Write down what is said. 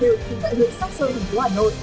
đều từng tại hướng sắc sơ thành phố hà nội